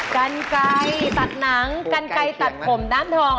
กันไกลตัดหนังกันไกลตัดผมด้านทอง